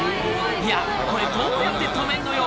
いやこれどうやって止めんのよ